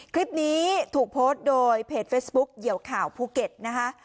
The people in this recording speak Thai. คลิปนี้ถูกโพสต์โดยเพจเฟซบุ๊คเหยียวข่าวภูเก็ตนะคะ